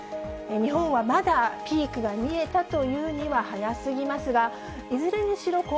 日本はまだピークが見えたというには早すぎますが、いずれにしろ